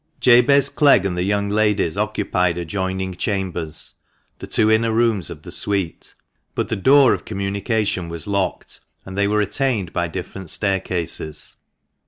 ABEZ CLEGG and the young ladies occupied ad joining chambers (the two inner rooms of the suite), but the door of communi cation was locked, and they were attained by different staircases.